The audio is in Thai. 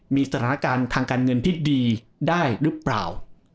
มีสถานการณ์ทางการเงินที่ดีได้หรือเปล่า